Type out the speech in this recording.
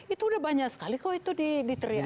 itu udah banyak sekali kok itu diteriak